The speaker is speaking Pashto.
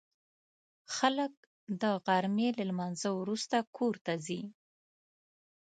خلک د غرمې له لمانځه وروسته کور ته ځي